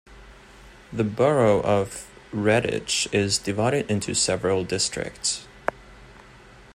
The Borough of Redditch is divided into several districts.